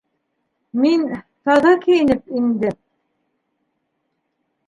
Мин... таҙа кейенеп индем...